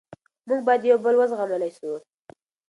موږ باید یو بل و زغملی سو.